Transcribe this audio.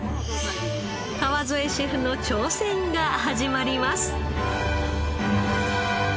川副シェフの挑戦が始まります。